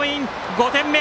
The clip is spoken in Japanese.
５点目。